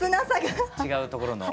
違うところの。